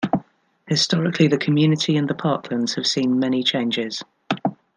Historically the community, and the parklands have seen many changes.